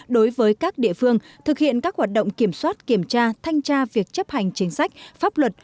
đối với các địa phương thực hiện các hoạt động kiểm soát kiểm tra thanh tra việc chấp hành chính sách pháp luật